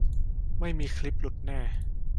ไม่มีคลิปหลุดแน่